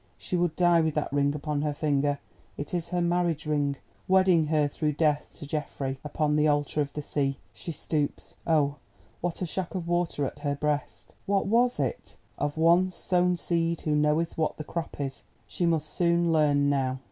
she would die with that ring upon her finger—it is her marriage ring, wedding her through death to Geoffrey, upon the altar of the sea. She stoops! oh, what a shock of water at her breast! What was it—what was it?—Of once sown seed, who knoweth what the crop is? She must soon learn now!